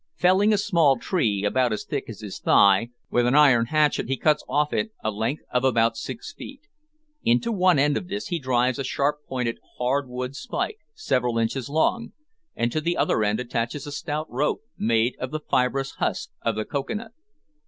Felling a small tree, about as thick as his thigh, with an iron hatchet he cuts off it a length of about six feet. Into one end of this he drives a sharp pointed hard wood spike, several inches long, and to the other end attaches a stout rope made of the fibrous husk of the cocoa nut.